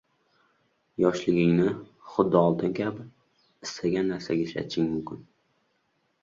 Yoshligingni, xuddi oltin kabi, istagan narsaga ishlatishing mumkin.